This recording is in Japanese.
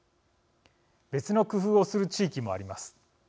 別の工夫をする地域もあります。